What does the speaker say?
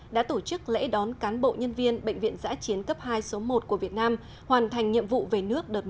đã tổ chức lễ đón cán bộ nhân viên bệnh viện giã chiến cấp hai số một của việt nam hoàn thành nhiệm vụ về nước đợt một